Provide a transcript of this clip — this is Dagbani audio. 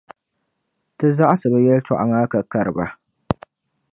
Ti zaɣisi bɛ yɛltɔɣa maa ka kari ba.